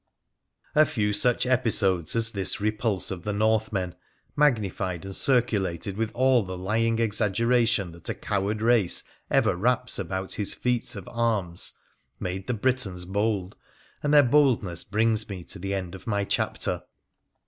A few such episodes as this repulse of the Northmen, mag nified and circulated with all the lying exaggeration that a coward race ever wraps about his feats of arms, made the Britons bold, and their boldness brings me to the end of my chapter.